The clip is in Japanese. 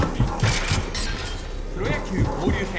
プロ野球、交流戦。